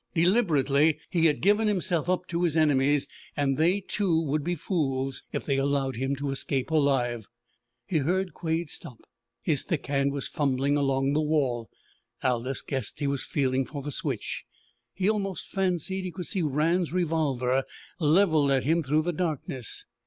Deliberately he had given himself up to his enemies. They, too, would be fools if they allowed him to escape alive. He heard Quade stop. His thick hand was fumbling along the wall. Aldous guessed that he was feeling for the switch. He almost fancied he could see Rann's revolver levelled at him through the darkness.